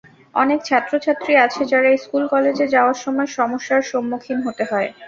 অনেক ছাত্রছাত্রী আছে, যারা স্কুল-কলেজে যাওয়ার সময় সমস্যার সম্মুখীন হতে হয়।